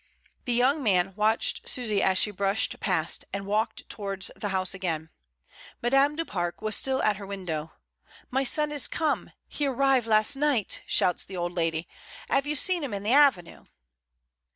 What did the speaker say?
The young man watched Susy as she brushed past, and walked towards the house again. Madame du Pare was still at her window. "My son is come! He arrive last night," shouts the old lady. "'Ave you seen him in the avenue?"